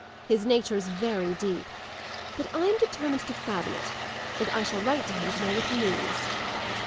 His nature's very deep. But I'm determined to fathom it, and I shall write to him to know what he means."